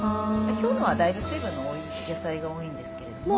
今日のはだいぶ水分の多い野菜が多いんですけれども。